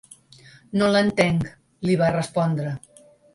No l’entenc, li va respondre.